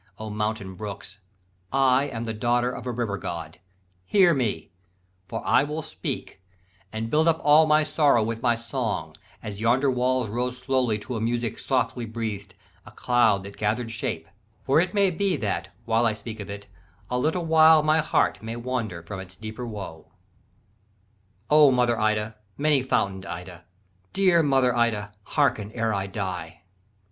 O mountain brooks, I am the daughter of a River God, Hear me, for I will speak, and build up all My sorrow with my song, as yonder walls Rose slowly to a music slowly breathed, A cloud that gather'd shape; for it may be That, while I speak of it, a little while My heart may wander from its deeper woe. "'O mother Ida, many fountain'd Ida, Dear mother Ida, harken ere I die.